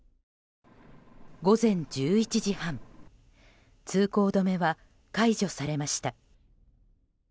午前１１時半通行止めは解除されました。